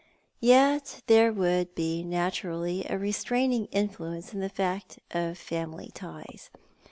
Y''et there would be naturally a restraining influence in the fact of family tics.